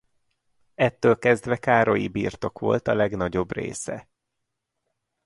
Ettől kezdve Károlyi-birtok volt a legnagyobb része.